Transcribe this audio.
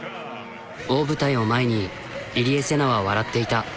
大舞台を前に入江聖奈は笑っていた。